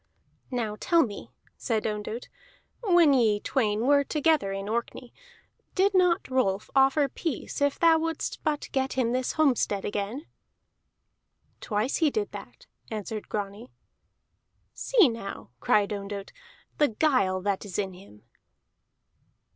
"Now tell me," said Ondott, "when ye twain were together in Orkney, did not Rolf offer peace if thou wouldst but get him this homestead again?" "Twice he did that," answered Grani. "See now," cried Ondott, "the guile that is in him!"